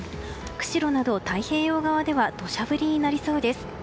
釧路など太平洋側では土砂降りになりそうです。